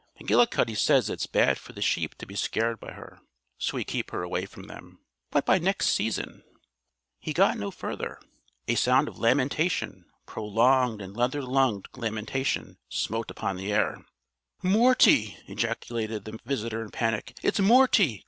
McGillicuddy says it's bad for the sheep to be scared by her. So we keep her away from them. But by next season " He got no further. A sound of lamentation prolonged and leather lunged lamentation smote upon the air. "Morty!" ejaculated the visitor in panic. "It's Morty!